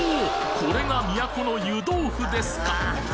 これが都の湯豆腐ですか！